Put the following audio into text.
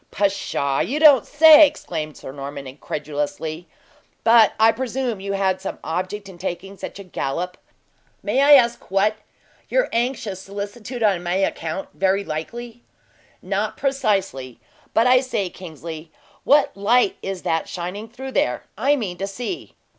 "Pshaw! You don't say so?" exclaimed Sir Norman, incredulously. "But I presume you had some object in taking such a gallop? May I ask what? Your anxious solicitude on my account, very likely?" "Not precisely. But, I say, Kingsley, what light is that shining through there? I mean to see."